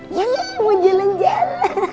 iya mau jalan jalan